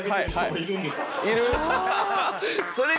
いる？